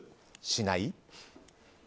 しない？